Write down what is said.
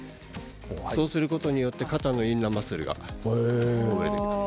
そうすることによって肩のインナーマッスルがほぐれる。